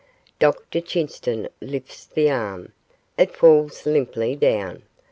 Dr Chinston lifts the arm; it falls limply down.